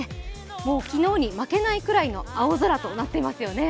もう昨日に負けないぐらいの青空となっていますよね。